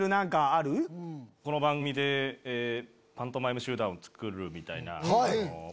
この番組でパントマイム集団をつくるみたいな。